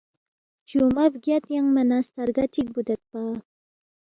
ہلچُونگمہ بگیا تیانگما نہ سترگہ چِک بُودیدپا